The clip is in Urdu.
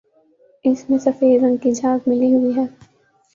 اس میں سفید رنگ کی جھاگ ملی ہوئی ہے